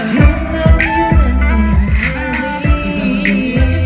เยี่ยมมาก